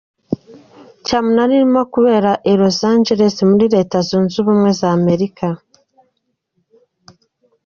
cyamunara irimo kubera i Los Angeles, muri Leta zunze ubumwe za Amerika.